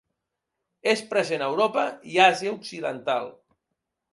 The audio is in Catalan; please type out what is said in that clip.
És present a Europa i Àsia occidental.